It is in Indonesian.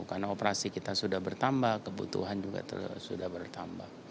karena operasi kita sudah bertambah kebutuhan juga sudah bertambah